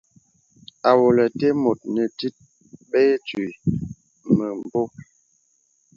Awòlə̀ te mùt nè tit bə itwǐ mə̀mbō.